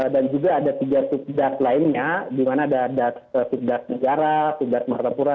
dan juga ada tiga tiga das lainnya dimana ada das sejarah das maharapura